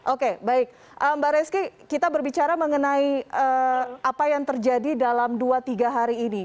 oke baik mbak reski kita berbicara mengenai apa yang terjadi dalam dua tiga hari ini